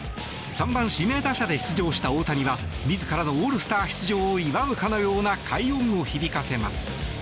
３番指名打者で出場した大谷は自らのオールスター出場を祝うかのような快音を響かせます。